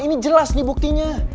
ini jelas nih buktinya